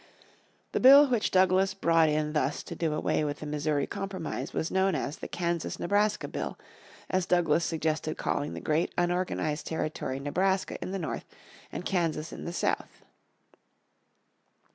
The bill which Douglas brought in thus to do away with the Missouri Compromise was known as the Kansas Nebraska Bill, as Douglas suggested calling the great unorganised territory Nebraska in the north and Kansas in the South.